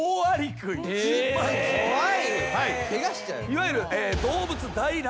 いわゆる。